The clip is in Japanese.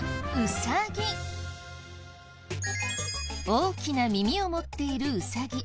大きな耳を持っているウサギ。